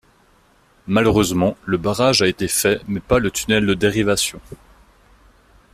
Malheureusement, le barrage a été fait, mais pas le tunnel de dérivation.